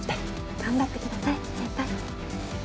頑張ってください先輩。